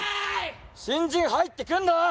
新人入ってくんだろ！